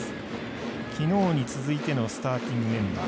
昨日に続いてのスターティングメンバー。